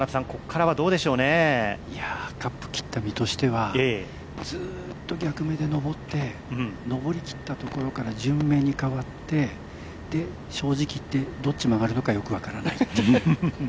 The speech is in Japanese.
カップ切った身としては、ずっと逆目でのぼってのぼり切ったところから順目に変わって、正直言って、どっちに曲がるかよく分からない。